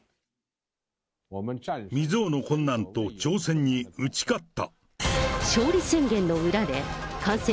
未曽有の困難と挑戦に打ち勝った。